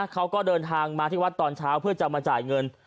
เขาก็เดินทางมาที่วัดตอนเช้าเพื่อจะมาจ่ายเงิน